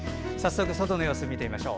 外の様子を見てみましょう。